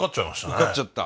受かっちゃった。